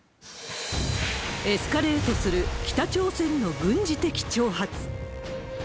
エスカレートする北朝鮮の軍事的挑発。